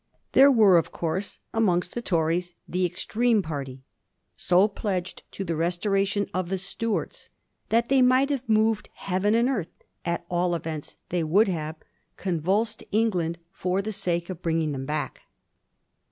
There were of course amongst the Tories the extreme party so pledged to the restoration of the Stuarts that they would have moved heaven and earth, at all events they would have convulsed England, for the sake of bringing them back.